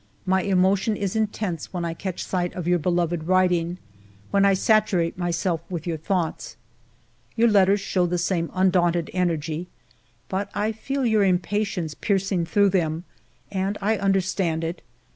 My emotion is intense when I catch sight of your be loved writing, when I saturate myself with your thoughts. ..." Your letters show the same undaunted energy, but I feel your impatience piercing through them, and I understand it.